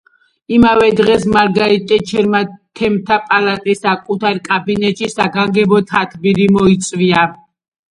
იმავე დღეს მარგარეტ ტეტჩერმა, თემთა პალატის საკუთარ კაბინეტში საგანგებო თათბირი მოიწვია.